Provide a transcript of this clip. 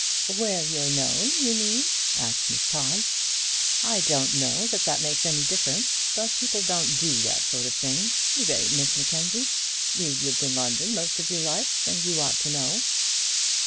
"Where you're known, you mean?" asked Miss Todd. "I don't know that that makes any difference; but people don't do that sort of thing. Do they, Miss Mackenzie? You've lived in London most of your life, and you ought to know."